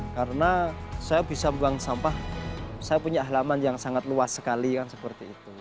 karena saya bisa buang sampah saya punya halaman yang sangat luas sekali kan seperti itu